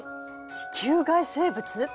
地球外生物！？